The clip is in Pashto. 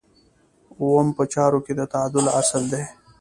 اووم په چارو کې د تعادل اصل دی.